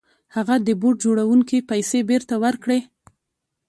هغه د بوټ جوړوونکي پيسې بېرته ورکړې.